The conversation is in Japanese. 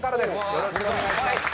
よろしくお願いします。